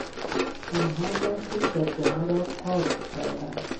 آنها برف جادهها را پاک کردند.